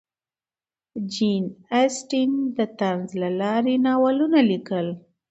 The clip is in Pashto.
جین اسټن د طنز له لارې ناولونه لیکل.